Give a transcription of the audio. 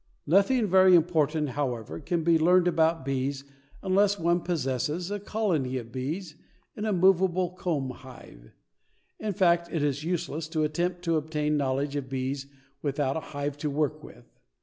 Nothing very important, however, can be learned about bees unless one possesses a colony of bees in a movable comb hive. In fact it is useless to attempt to obtain a knowledge of bees without a hive to work with.